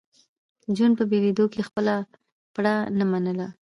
جون په بېلېدو کې خپله پړه نه منله